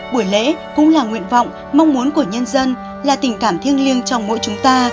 buổi lễ cũng là nguyện vọng mong muốn của nhân dân là tình cảm thiêng liêng trong mỗi chúng ta